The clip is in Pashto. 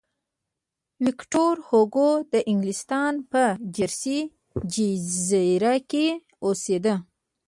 ویکتور هوګو د انګلستان په جرسي جزیره کې اوسېده.